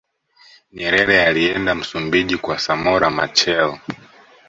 nyerere alienda msumbuji kwa samora machel